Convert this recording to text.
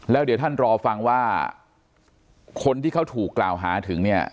แล้วเดี๋ยวท่านรอฟังว่าคนที่เขาถูกกล่าวหาถึงเนี่ย